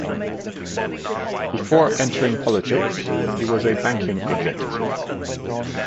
Before entering politics, he was a banking executive.